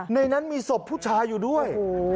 ในนั้นมีศพผู้ชายอยู่ด้วย